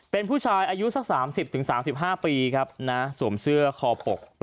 เป็นผู้ชายอายุสักสามสิบถึงสามสิบห้าปีครับนะสวมเสื้อคอปก